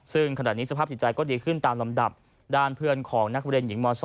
ซึ่งขณะนี้สภาพจิตใจก็ดีขึ้นตามลำดับด้านเพื่อนของนักเรียนหญิงม๒